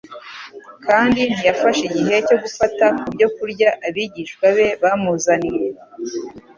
kandi ntiyafashe igihe cyo gufata ku byo kurya abigishwa be bamuzaniye.